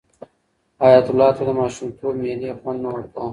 حیات الله ته د ماشومتوب مېلې خوند نه ورکاوه.